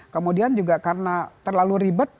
kemudian juga karena terlalu ribet